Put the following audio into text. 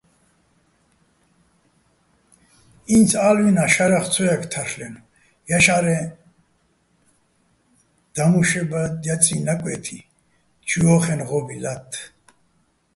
ინც ა́ლვინა შარახ ცო ჲაგე̆ თარლ'ენო̆, დაშა́რე, დამუშებადჲაწიჼ ნაკვე́თი, ჩუ ჲო́ხენო̆ ღო́ბი ლა́თთ.